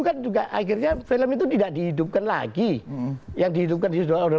kan juga akhirnya film itu tidak dihidupkan lagi yang dihidupkan dihidupkan